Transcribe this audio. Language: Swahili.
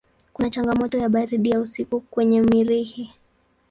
Kuna changamoto ya baridi ya usiku kwenye Mirihi.